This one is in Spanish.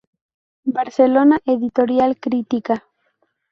Barcelona: Editorial Crítica.